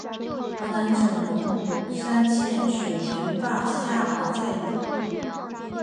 湖南省龙山县水田坝下比寨人。